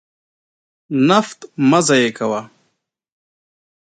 نفت مه ضایع کوه.